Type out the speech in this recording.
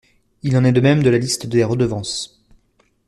Il en est de même de la liste des redevances.